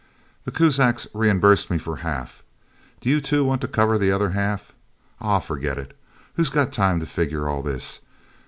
The Kuzaks reimbursed me for half. Do you two want to cover the other half? Aw forget it! Who's got time to figure all this?